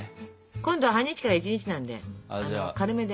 今度は半日から１日なんで軽めで。